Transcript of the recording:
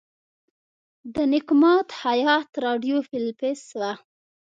د نیک ماد خیاط راډیو فلپس وه.